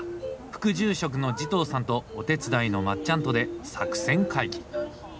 副住職の慈瞳さんとお手伝いのまっちゃんとで作戦会議。